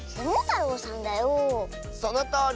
そのとおり！